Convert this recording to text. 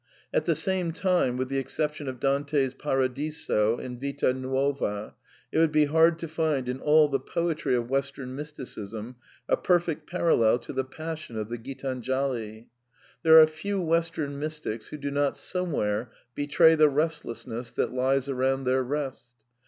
At the same time, with the exception of Dante's Paradiso and Vita Nuova, it would be hard to find in all the poetry of Western mysticism a perfect parallel to the 'passion of the Oitdnjalu There are few Western mystics who do not somewhere betray the restlessness that lies around thei:?^^^ rest.